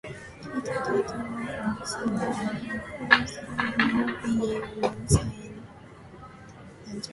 He taught at Warsaw Collegium Nobilum Societatis Jesu.